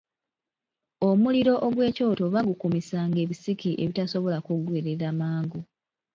Omuliro ogw’ekyoto baagukumisanga ebisiki ebitasobola kuggwerera mangu.